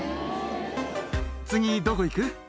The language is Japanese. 次、どこ行く？